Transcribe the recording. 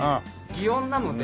擬音なので。